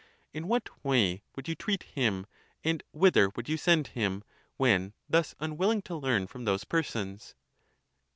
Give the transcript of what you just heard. In what way would you treat him, and whither would you send him, when thus un willing to learn from those persons